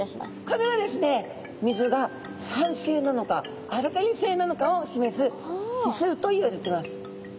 これはですね水が酸性なのかアルカリ性なのかを示す指数といわれてます。